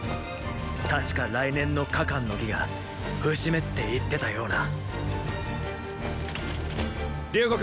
たしか来年の“加冠の儀”が節目って言ってたような隆国。